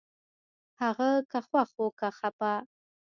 هغه که خوښ و که خپه